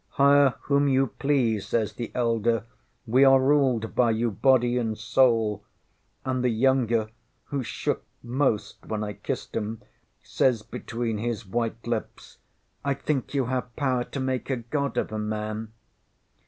ŌĆØ ŌĆśŌĆ£Hire whom you please, ŌĆØ says the elder; ŌĆ£we are ruled by you, body and soulŌĆØ; and the younger, who shook most when I kissed ŌĆśem, says between his white lips, ŌĆ£I think you have power to make a god of a man.